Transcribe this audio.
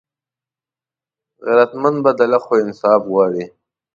غیرتمند بدله خو انصاف غواړي